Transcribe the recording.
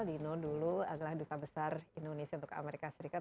dino dulu adalah duta besar indonesia untuk amerika serikat